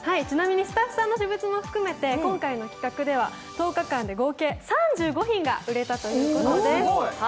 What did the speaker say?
スタッフさんの私物も含めて今回の企画では１０日間で合計３５品が売れたということです。